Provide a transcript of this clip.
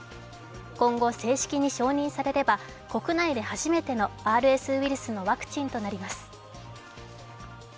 今後、正式に承認されれば、国内で初めてのＲＳウイルスのワクチンとなります。